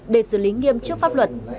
để xử lý nghiêm trước pháp luật